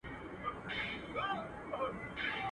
د تاریخي کرنې تخمونه ساتل کېږي.